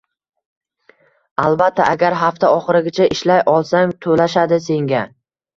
Albatta, agar hafta oxirigacha ishlay olsang, to`lashadi senga